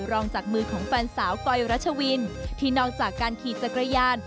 รองจากมือของแฟนสาวกอยรัชวินที่นอกจากการขี่จักรยาน